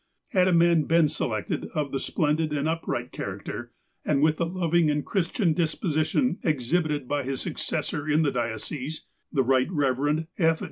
Had a man been selected of the splendid and upright character, and with the loving and Christian disiDosition exhibited by his successor in the diocese, the Eight Eevereud F.